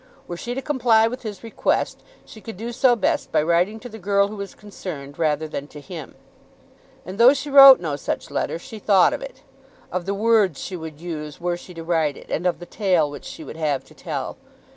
Were she to comply with his request she could do so best by writing to the girl who was concerned rather than to him. And though she wrote no such letter she thought of it, of the words she would use were she to write it, and of the tale which she would have to tell.